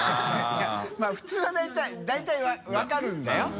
い普通は大体は分かるんだよ。